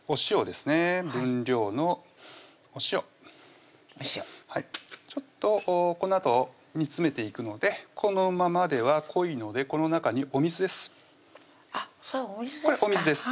分量のお塩ちょっとこのあと煮詰めていくのでこのままでは濃いのでこの中にお水ですあっそれお水ですか